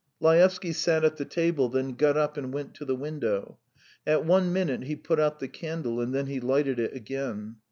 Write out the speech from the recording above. Laevsky sat at the table, then got up and went to the window; at one minute he put out the candle and then he lighted it again.